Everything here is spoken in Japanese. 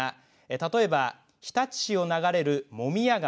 例えば日立市を流れる茂宮川